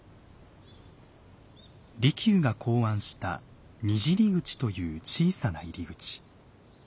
利休が考案した「にじり口」という小さな入り口。